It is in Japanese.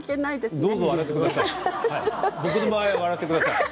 僕の場合笑ってください。